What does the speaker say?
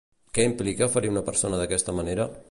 Què implica ferir una persona d'aquesta manera?